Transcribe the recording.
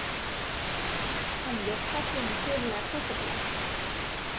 ฉันยกผ้าคลุมขึ้นและพูดกับหล่อน